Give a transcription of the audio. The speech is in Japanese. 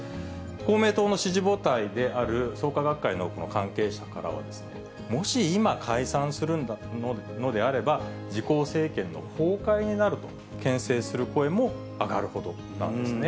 公明党の支持母体である創価学会の関係者からは、もし今解散するのであれば、自公政権の崩壊になるとけん制する声も上がるほどなんですね。